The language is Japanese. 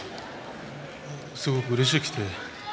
すごくうれしくて。